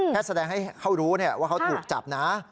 แสดงให้เขารู้ว่าเขาถูกจับนะ